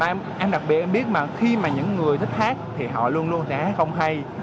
em đặc biệt em biết mà khi mà những người thích hát thì họ luôn luôn sẽ không hay